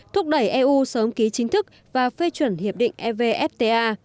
thúc đẩy eu sớm ký chính thức và phê chuẩn hiệp định evfta